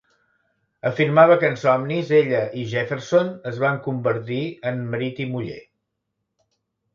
Afirmava que en somnis, ella i Jefferson es van convertir en marit i muller.